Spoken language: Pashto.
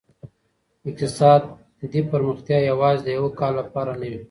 اقتصادي پرمختيا يوازي د يوه کال لپاره نه وي.